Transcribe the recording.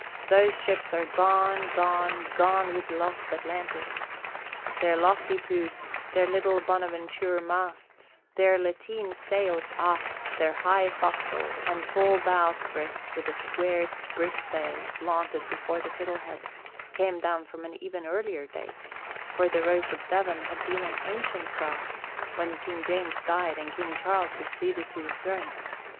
Those ships are "gone, gone, gone with lost Atlantis." Their lofty poops, their little bonaventure masts, their lateen sails aft, their high forecastles and tall bowsprits with the square spritsail flaunted before the fiddlehead, came down from an even earlier day; for the Rose of Devon had been an ancient craft when King James died and King Charles succeeded to the throne.